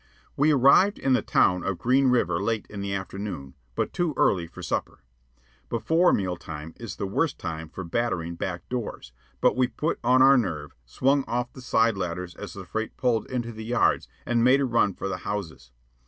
We arrived in the town of Green River late in the afternoon, but too early for supper. Before meal time is the worst time for "battering" back doors; but we put on our nerve, swung off the side ladders as the freight pulled into the yards, and made a run for the houses.